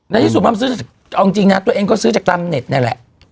ในที่สุดพร้อมซื้อจากเอาจริงนะตัวเองก็ซื้อจากตั้งเน็ตเนี่ยแหละ